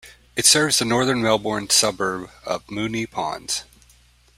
It serves the northern Melbourne suburb of Moonee Ponds.